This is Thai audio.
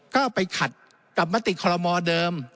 ก็ไปขัดกับมติคอลโมเดิม